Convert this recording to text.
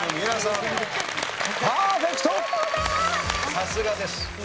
さすがです。